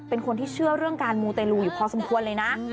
เป็นคนที่เชื่อเรื่องการมูเตลูอยู่พอสมควรเลยนะ